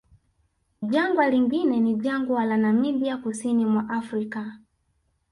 Jangwa lingine ni jangwa la Namibia kusini mwa Afrika